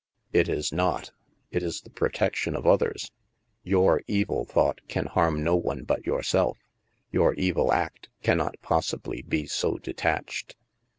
" It is not. It is the protection of others. Your evil thought can harm no one but yourself. Your evil act cannot possibly be so detached.